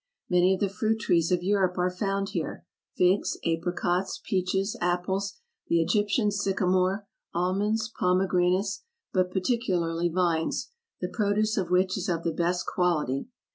Many of the fruit trees of Europe are found here: figs, apricots, peaches, apples, the Egyptian sycamore, almonds, pome granates, but particularly vines, the produce of which is of the best quality.